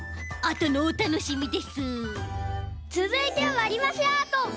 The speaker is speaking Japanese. つづいてはわりばしアート。